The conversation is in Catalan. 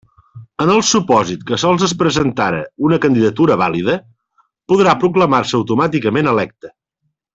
En el supòsit que sols es presentara una candidatura vàlida, podrà proclamar-se automàticament electa.